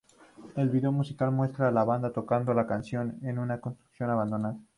El video musical muestra a la banda tocando la canción en una construcción abandonada.